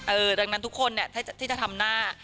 ดังนั้นทุกคนเนี่ยที่จะทำหน้า